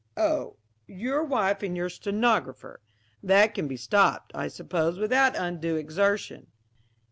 "Oh, your wife and your stenographer. That can be stopped, I suppose, without undue exertion."